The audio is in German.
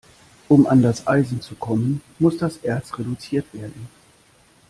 Um an das Eisen zu kommen, muss das Erz reduziert werden.